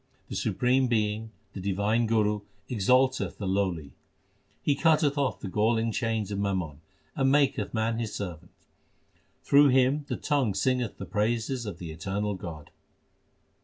The supreme being, the divine Guru, exalteth the lowly ; He cutteth off the galling chains of mammon, and maketh man his servant. Through him the tongue singeth the praises of the Eternal God.